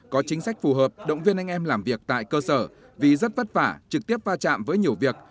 có chính sách phù hợp động viên anh em làm việc tại cơ sở vì rất vất vả trực tiếp va chạm với nhiều việc